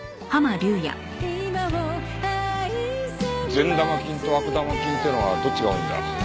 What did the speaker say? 善玉菌と悪玉菌っていうのはどっちが多いんだ？